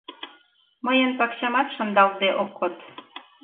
Мыйын пакчамат шындалтде ок код.